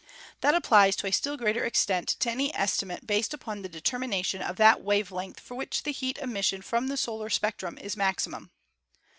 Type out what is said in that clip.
That ap plies to a still greater extent to any estimate based upon the determination of that wave length for which the heat emission from the solar spectrum is maximum.